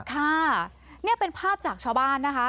ค่ะนี่เป็นภาพจากชาวบ้านนะคะ